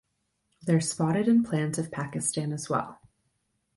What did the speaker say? They are spotted in plans of Pakistan as well.